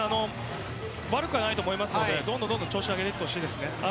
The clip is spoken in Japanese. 悪くはないと思いますのでどんどん調子を上げていってほしいです。